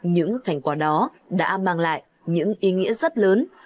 những thành quả đó đã mang lại những ý nghĩa rất lớn